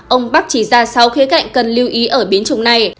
ông park chỉ ra sau khía cạnh cần lưu ý ở biến chủng này